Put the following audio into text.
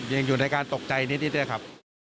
ยังอยู่ในการตกใจนิดด้วยครับ